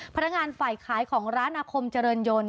พนักงานฝ่ายขายของร้านอาคมเจริญยนต์